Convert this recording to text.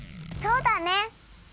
そうだね！